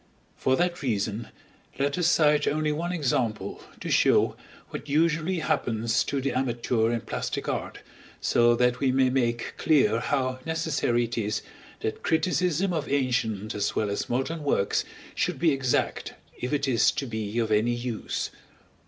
For that reason let us cite only one example to show what usually happens to the amateur in plastic art, so that we may make clear how necessary it is that criticism of ancient as well as modern works should be exact if it is to be of any use.